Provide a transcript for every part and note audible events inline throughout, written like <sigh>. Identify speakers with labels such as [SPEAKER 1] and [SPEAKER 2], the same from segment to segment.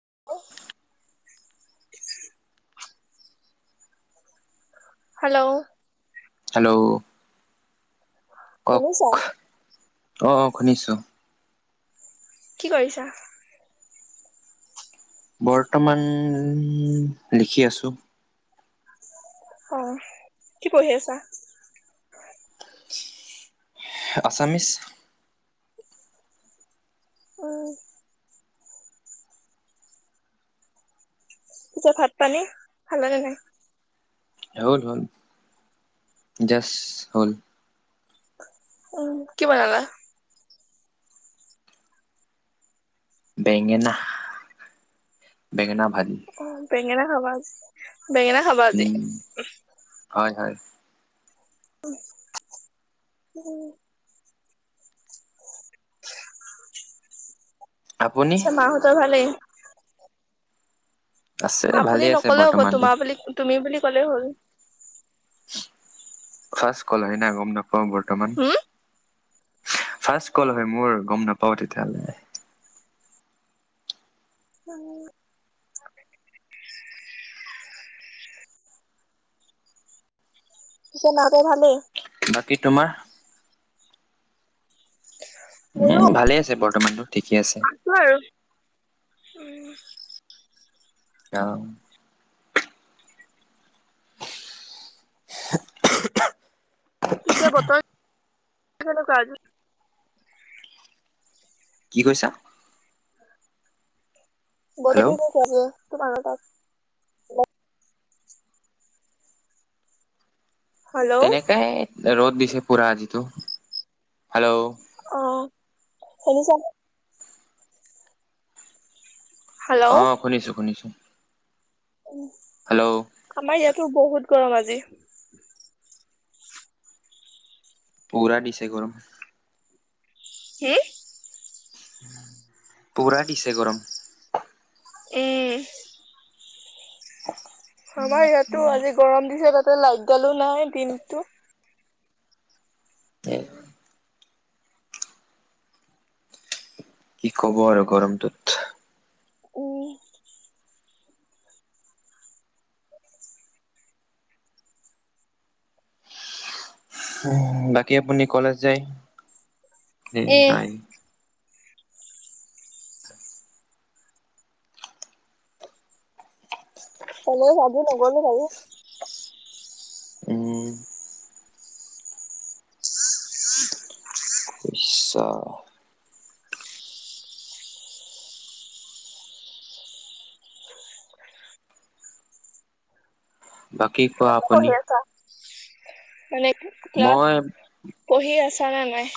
[SPEAKER 1] <inaudible>
[SPEAKER 2] Hello,
[SPEAKER 1] hello, কওক
[SPEAKER 2] শুনিছা?
[SPEAKER 1] অ', অ', শুনিছো।
[SPEAKER 2] কি কৰিছা?
[SPEAKER 1] বৰ্তমান লিখি আছো।
[SPEAKER 2] অ', কি পঢ়ি আছা?
[SPEAKER 1] আছামিছ।
[SPEAKER 2] উম। পিছে ভাত পানী? খালে নে নাই?
[SPEAKER 1] হ'ল, হল। জচ হ'ল।
[SPEAKER 2] উম, কি বনালা?
[SPEAKER 1] বেঙেনা, বেঙেনা ভাঁজি।
[SPEAKER 2] বেঙনা খাবাজি, বেঙেনা খাবা আাজি?
[SPEAKER 1] উম হয় হয়
[SPEAKER 2] উম। উম।
[SPEAKER 1] আপুনি
[SPEAKER 2] আচ্ছা, মাহঁতৰ ভালেই?
[SPEAKER 1] আছে ভালে
[SPEAKER 2] আপুনি
[SPEAKER 1] আছে
[SPEAKER 2] নক'লেও হ'ব
[SPEAKER 1] বৰ্তমানতো
[SPEAKER 2] তোমাৰ বুলি তুমি বুলি ক'লে হ'ল।
[SPEAKER 1] ফচ কলহিনা গম নাপাওঁ বৰ্তমান।
[SPEAKER 2] হুম?
[SPEAKER 1] ফাৰ্ষ্ট কল হয় মোৰ গম নাপাও তেতিয়াহলে।
[SPEAKER 2] উম। মাহঁতৰ ভালেই?
[SPEAKER 1] বাকী তোমাৰ?
[SPEAKER 2] মোৰো
[SPEAKER 1] উম, ভালে আছে বৰ্তমানতো। ঠিকে আছে
[SPEAKER 2] আছো আৰু, উম।
[SPEAKER 1] অহ। <inaudible>
[SPEAKER 2] পিছে <unintelligible> কেনেকুৱা আজি?
[SPEAKER 1] কি কৈছা? হেল্ল'
[SPEAKER 2] <unintelligible> হেল্ল'
[SPEAKER 1] তেনেকাই ৰ'দ দিছে পুৰা যিটো। হেল্ল'?
[SPEAKER 2] শুনিছা নে? হেল্ল'
[SPEAKER 1] অ', শুনিছো শুনিছো। হেল্ল'
[SPEAKER 2] আমাৰ ইয়াতো বহুত গৰম আজি।
[SPEAKER 1] পূৰা দিছে গৰম।
[SPEAKER 2] হম?
[SPEAKER 1] পূৰা দিছে গৰম।
[SPEAKER 2] উম। আমাৰ ইয়াতো আজি গৰম দিছে তাতে লাইট দালো নাই দিনতটো।
[SPEAKER 1] তে কি ক'ব আৰু গৰমটোত।
[SPEAKER 2] উম।
[SPEAKER 1] বাকী আপুনি কলেজ যায়, নে
[SPEAKER 2] এ
[SPEAKER 1] নাই?
[SPEAKER 2] কলেজ আজি নগলো বাৰু।
[SPEAKER 1] উম। পুছা <unintelligible> বাকী কোৱা।
[SPEAKER 2] আছ
[SPEAKER 1] আপুনি
[SPEAKER 2] <unintelligible> মানে ক্লাছ
[SPEAKER 1] মই
[SPEAKER 2] পঢ়ি আছ নে নাই।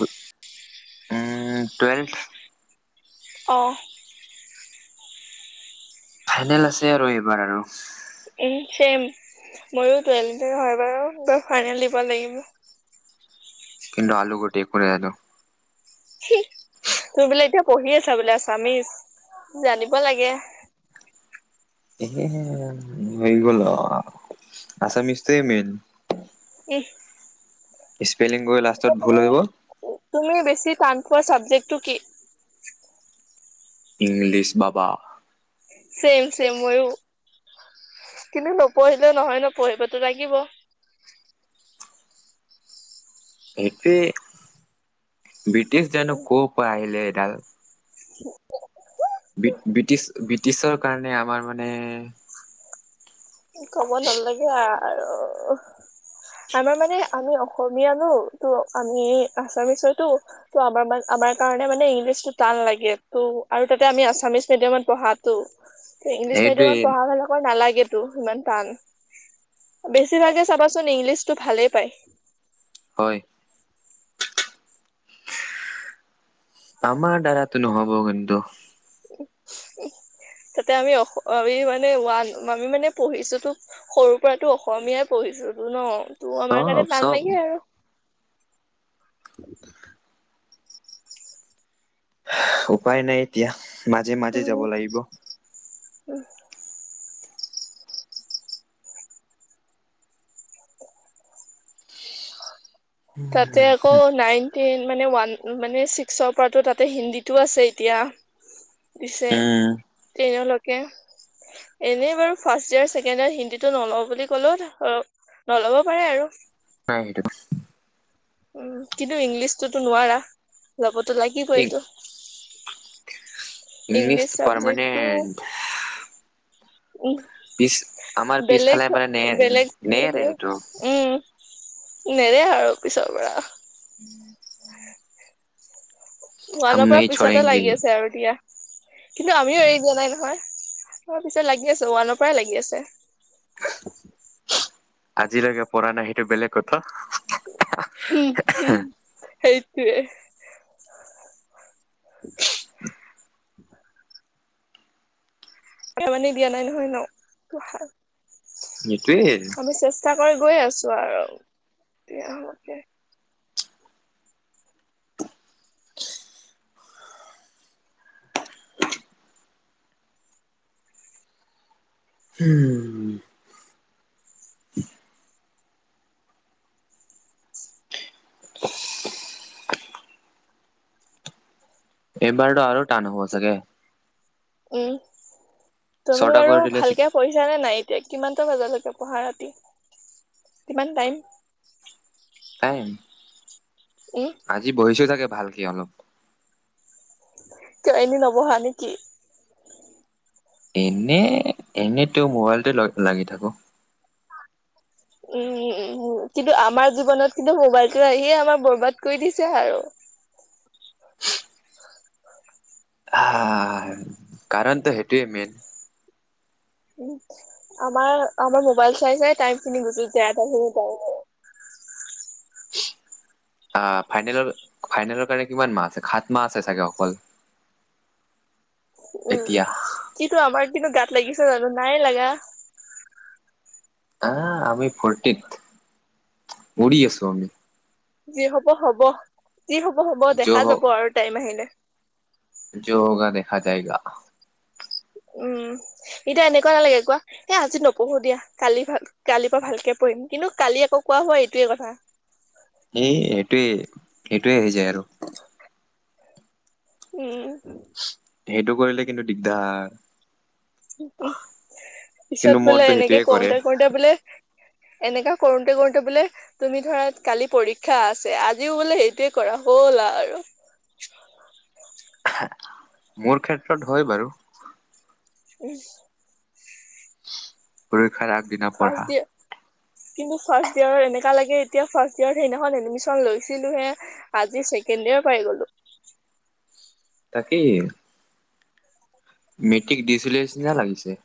[SPEAKER 1] উম, টুৱেল্থ।
[SPEAKER 2] অঁ।
[SPEAKER 1] ফাইনেল আছে আৰু এইবাৰ আৰু।
[SPEAKER 2] Um, same. মইও টুৱেল হয় বাৰু ফাইনেল দিব লাগিব।
[SPEAKER 1] কিন্তু আলু গোটেই কৰি আলো
[SPEAKER 2] তুমি বোলে এতিয়া পঢ়ি আছা বোলে আছামিছ জানিব লাগে।
[SPEAKER 1] এহ এই গল আছামিজটো মেইন।
[SPEAKER 2] <unintelligible>
[SPEAKER 1] স্পেলিং কৰি লাষ্টত ভুল
[SPEAKER 2] তুমি
[SPEAKER 1] হৈ গ'ল।
[SPEAKER 2] তুমি বেছি টান পোৱা চাবজেক্টটো কি?
[SPEAKER 1] ইংলিছ বাবা।
[SPEAKER 2] চেম চেম মইও কিন্তু নপঢ়িলেও নহয় নপঢ়িবতো লাগিব।
[SPEAKER 1] সেইটোৱে ব্ৰিটিছ জানো ক'ৰ পৰা আহিলে এডাল।
[SPEAKER 2] উ <unintelligible>
[SPEAKER 1] ব্ৰিটিছ উ <inaudible>
[SPEAKER 2] ক'ব নালাগে আৰু আমাৰ মানে আমি অসম আমি আনো ত আমি আছামিছতো ত আমাৰান আমাৰ কাৰণে মানে ইংলিছ টো টান লাগে। ত আৰু তাতে আমি আামি মিডিয়ামত পঢ়াতটো ইংলিছ
[SPEAKER 1] এইটোৱে
[SPEAKER 2] মিডিয়ামত পঢ়া শলাক নালাগে। ইমান টান বেছিভাগে চাবাচোন ইংলিছতটো ভালেই পায়।
[SPEAKER 1] হয়। আমাৰ দ্বাৰাটো নহব কিন্তু।
[SPEAKER 2] <unintelligible> এতিয়া আমি অ আমি মানে ওৱান আমি মানে পঢ়িছো তো সৰু পৰাতটো অসমীয়াই পঢ়িছো ন। তোৰ আমাৰ কাৰণে
[SPEAKER 1] চব
[SPEAKER 2] ভাল
[SPEAKER 1] চব
[SPEAKER 2] লাগে আৰু।
[SPEAKER 1] উপায় নাই এতিয়া মাজে মাজে
[SPEAKER 2] উম
[SPEAKER 1] যাব লাগিব।
[SPEAKER 2] উম। তাতে আকৌ নাইনটিন। মানে ওৱান মানে ছিক্সৰ পৰাতো তাতে হিন্দীতো আছে এতিয়া। দিছে
[SPEAKER 1] উম
[SPEAKER 2] তেওঁলোকে এনেই বাৰু ফাৰ্ষ্ট ইয়াৰ ছেকেণ্ড ইয়োৰ হিন্দীতটো নলওঁ বুলি কলো নলব পাৰে আৰু।
[SPEAKER 1] নাই সেইটো
[SPEAKER 2] উম কিন্তু ইংলিছটোতো নোৱাৰা যাবতো লাগিবই এইটো। ইংলিছ চাবজেক্টটো। উম,
[SPEAKER 1] পিছ আমাৰ
[SPEAKER 2] বেলেগ
[SPEAKER 1] পিছফালে মানে নে
[SPEAKER 2] বেলেগ
[SPEAKER 1] নেৰে এইটো
[SPEAKER 2] উম নেৰে আৰু পিছৰ পৰা।
[SPEAKER 1] <unintelligible> হাম
[SPEAKER 2] ৱালৰ পৰা
[SPEAKER 1] নাহি
[SPEAKER 2] পিছতে
[SPEAKER 1] ছৰেংগে।
[SPEAKER 2] লাগি আছে আৰু দিয়া কিন্তু আমিও এৰি দিয়া নাই নহয় তাৰ পিছত লাগি আছে ওৱানৰ পৰাই লাগি আছে।
[SPEAKER 1] আজিলৈকে পৰা নাই সেইটো বেলেগ কথা।
[SPEAKER 2] উম-উম সেই উম, মানে দিয়া নাই নহয় ন।
[SPEAKER 1] নিটোৱে।
[SPEAKER 2] মই গৈ আছো আৰু
[SPEAKER 1] হম, এইবাৰতো আৰু টান হব চাগে।
[SPEAKER 2] উম তুমি
[SPEAKER 1] ছটা
[SPEAKER 2] বাৰু
[SPEAKER 1] কৰি দিলে
[SPEAKER 2] ভালকে পঢ়িছা নে নাই এতিয়া কিমান বজালৈকে পঢ়া ৰাতি কিমান টাইম
[SPEAKER 1] টাইম।
[SPEAKER 2] উম
[SPEAKER 1] আজি বহিছো থাকে ভালক অলপ।
[SPEAKER 2] এনে নবহা নেকি।
[SPEAKER 1] এনে এনেতো মোবাইলটো ল লাগি থাকো।
[SPEAKER 2] উম উমম কিন্তু আমাৰ জীৱনত কিন্তু মোবাইলটো আহিয়ে আমাৰ বৰবাদ কৰি দিছে আৰু।
[SPEAKER 1] হা কাৰণ ত সেইটোৱে মেইন।
[SPEAKER 2] উম, আমাৰ আমাৰ মবাইল চাই - চাই টাইম খিনি গুজ যায় খিনি <unintelligible> <unintelligible>
[SPEAKER 1] আহ ফাইনেলৰ-ফাইনেলৰ কাৰণে কিমান মাহ আছে সাত মাহ আছে চাগে অকল।
[SPEAKER 2] <inaudible> উম,
[SPEAKER 1] এতিয়া
[SPEAKER 2] কিন্তু আমাৰ কিন্তু গাত লাগিছে জানো নাই লাগা।
[SPEAKER 1] আহ, আমি ফূৰ্তিত উৰি আছো আমি।
[SPEAKER 2] যি হব-হব যি হব- হব দেখা যাব আৰু টাইম আহিলে।
[SPEAKER 1] জ' হোগা দেখা যায়েগা।
[SPEAKER 2] উম, এতিয়া এনেকুৱা নালাগে কোৱা এ আজি নপঢ়ো দিয়া কালি ভাল কালিৰ পৰা ভালকে পঢ়ি কৰিম কিন্তু কালি আকৌ কোৱা হোৱা এইটোয়ে কথা।
[SPEAKER 1] এ, এইটোৱে-সেইটোৱে হৈ যায় আৰু।
[SPEAKER 2] উম,
[SPEAKER 1] সেইটো কৰিলে কিন্তু দিগদাৰ হয়।
[SPEAKER 2] পিছত
[SPEAKER 1] কিন্তু
[SPEAKER 2] বোলে
[SPEAKER 1] মনটো
[SPEAKER 2] এনেকে
[SPEAKER 1] সেইটোৱে কৰে
[SPEAKER 2] কৰোতে-কৰোতে বোলে এনেকুৱা কৰোঁতে-কৰোঁতে বোলে তুমি ধৰা কালি পৰীক্ষা আছে আজিও বোলে সেইটোৱে কৰা হ'ল বাৰু।
[SPEAKER 1] <unintelligible> মোৰ ক্ষেত্ৰত হয় বাৰু।
[SPEAKER 2] উইচ,
[SPEAKER 1] পৰীক্ষাৰ আগদিনা পঢ়া।
[SPEAKER 2] ফাৰ্ষ্ট ইয়েৰ কিন্তু ফাৰ্ষ্ট ইয়েৰৰ এনেকা লাগে এতিয়া ফাৰ্ষ্ট ইয়েৰত সেইদিনাখন এডমিচন লৈছিলো হে আজি ছেকেণ্ড কেন্দ পাই গলো।
[SPEAKER 1] তাকেই। মেট্ৰিক দিছিলোঁ নিচিনা লাগিছে।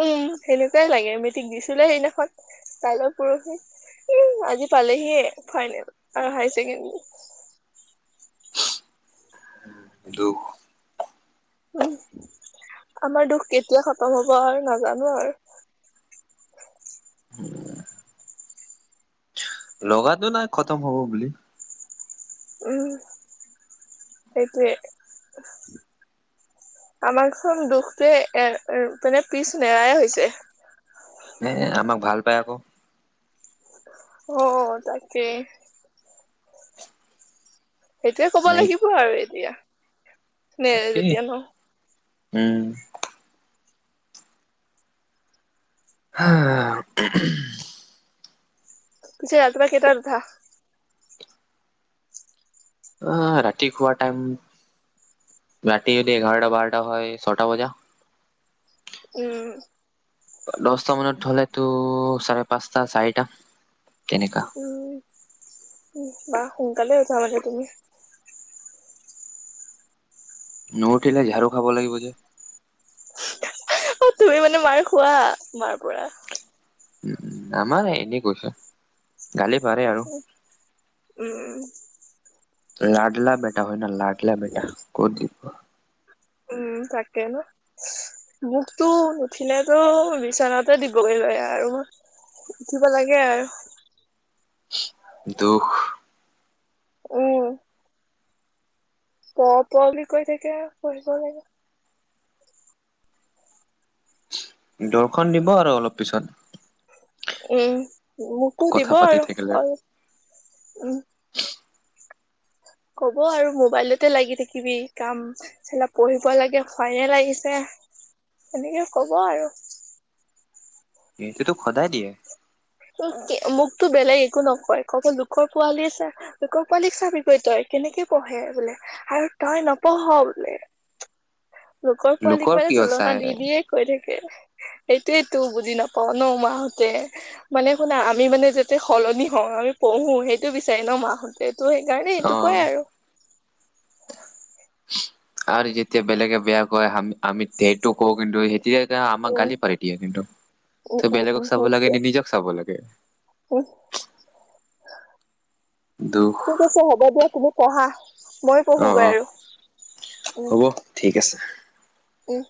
[SPEAKER 2] উম, সেনেকুৱাই লাগে মেট্ৰিক দিছিলো সেইদিনাখন কাইলৰ পৰহি। উ, আজি পালেহিয়ে ফাইনেল আৰু হায়াৰ ছেকেণ্ডাৰী।
[SPEAKER 1] দুখ
[SPEAKER 2] উম, আমাৰ দুখ কেতিয়া খতম হ'ব আৰু নাজানো আৰু। <inaudible>
[SPEAKER 1] লগাটো নাই খতম হ'ব বুলি।
[SPEAKER 2] উম, এইটোৱে। আমাৰ ঘৰত দুখটোৱে এ <unintelligible> মানে পিছ নেৰাই হৈছে।
[SPEAKER 1] এ আমাক ভাল পায় আকৌ।
[SPEAKER 2] অ, তাকে। সেইটোৱে ক'ব
[SPEAKER 1] নাই
[SPEAKER 2] লাগিব আৰু এতিয়া। নে যেতিয়া ন'।
[SPEAKER 1] উম, <inaudible>
[SPEAKER 2] পিছে ৰাতিপুৱা কেইটাত উঠা?
[SPEAKER 1] অ', ৰাতি খোৱা টাইম ৰাতি যদি এঘাৰটা বাৰটা হয় ছটা বজা।
[SPEAKER 2] উম।
[SPEAKER 1] দহটা মানত হলেতো চাৰে পাঁচটা চাৰিটা। তেনেকা
[SPEAKER 2] উম, উম, বাহ! সোনকালে উঠা মানে তুমি?
[SPEAKER 1] নুউঠিলে ঝাৰু খাব লাগিব যে।
[SPEAKER 2] অ, তুমি মানে মাৰ খোৱা মাৰ পৰা?
[SPEAKER 1] গৈছা?
[SPEAKER 2] উম, উম
[SPEAKER 1] লাডলা বেটা হয় না লাডলা বেটা ক'ত <unintelligible>
[SPEAKER 2] উম, তাকে <unintelligible> মোকতো উুঠিলেতো বিচনাতে দিবগৈ লয় আৰু মই উঠিব লাগে আৰু।
[SPEAKER 1] দুখ।
[SPEAKER 2] উম। পঢ় পঢ় বুলি কৈ থাকে আৰু, পঢ়িব লাগে।
[SPEAKER 1] দৰ্শন দিব আৰু অলপ পিছত।
[SPEAKER 2] উম, মোকো
[SPEAKER 1] কথা
[SPEAKER 2] দিব
[SPEAKER 1] পাতি
[SPEAKER 2] আৰু
[SPEAKER 1] থাকিলে
[SPEAKER 2] অলপ, উম। <unintelligible> ক'ব আৰু মোবাইলতে লাগি থাকিবি কাম <unintelligible> পঢ়িব লাগে ফাইনেল আহিছে। তেনেকে কব আৰু।
[SPEAKER 1] এটো তোক সদায় দিয়ে।
[SPEAKER 2] ত মোকতো বেলেগ একো নকয় ক'ব লোকৰ পোৱালি চ লোকৰ পোৱালীক চাবি গৈ তই। কেনেকে পঢ়ে বোলে আৰু তই নপঢ় বোলে। লোকৰ পোৱালিক মানে
[SPEAKER 1] কিয়
[SPEAKER 2] তুলনা
[SPEAKER 1] চাই
[SPEAKER 2] দি দিয়ে কৈ থাকে। সেইটোৱেইতো বুজি নাপাও ন মাহতে। মানে শুনা আমি মানে যাতে সলনি হওঁ আমি পঢ়ো সেইটো বিচাৰি ন মাহঁতে। ত সেইকাৰণে
[SPEAKER 1] অ
[SPEAKER 2] এইটো কয় আৰু।
[SPEAKER 1] আৰু যেতিয়া বেলেগে বেয়া কয় আমি সেইটো কওঁ কিন্তু সতিয়া আমাক
[SPEAKER 2] উম
[SPEAKER 1] গালি পাৰি দিয়ে কিন্তু।
[SPEAKER 2] উম
[SPEAKER 1] তই
[SPEAKER 2] উম
[SPEAKER 1] বেলেগক চাব লাগে নি নিজক চাব লাগে।
[SPEAKER 2] হম্।
[SPEAKER 1] দুখ
[SPEAKER 2] ঠিক আছে হ'ব দিয়া, তুমি পঢ়া। মই
[SPEAKER 1] অ',
[SPEAKER 2] পঢ়োগৈ
[SPEAKER 1] অ',
[SPEAKER 2] আৰু। উম।
[SPEAKER 1] হ'ব ঠিক আছে।
[SPEAKER 2] উম।